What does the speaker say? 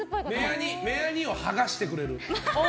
目やにを剥がしてくれる。